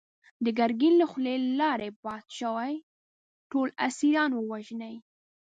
د ګرګين له خولې لاړې باد شوې! ټول اسيران ووژنی!